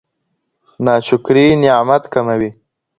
ناشکري نعمت کموي.